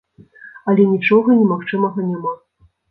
Але нічога немагчымага няма.